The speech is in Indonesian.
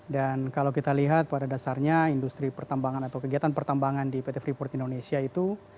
dan kalau kita lihat pada dasarnya industri pertambangan atau kegiatan pertambangan di pt freeport indonesia itu